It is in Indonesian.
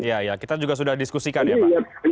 iya ya kita juga sudah diskusikan ya pak